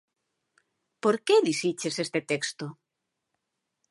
Por que elixiches este texto?